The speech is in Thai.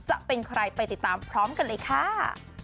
จะเป็นใครไปติดตามพร้อมกันเลยค่ะ